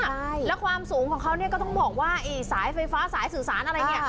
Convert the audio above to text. กิโรคมากความสูงของเขาก็ต้องบอกว่าสายไฟฟ้าสายสุขารอะไรเนี่ย